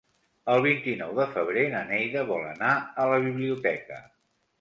El vint-i-nou de febrer na Neida vol anar a la biblioteca.